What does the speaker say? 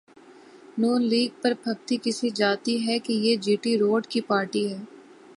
نون league پر پھبتی کسی جاتی ہے کہ یہ جی ٹی روڈ کی پارٹی ہے۔